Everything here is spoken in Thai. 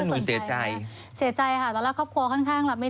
ต้องงานเนี่ยล่ะทำอาหารกินครับละนี่ข่าวหน้านี้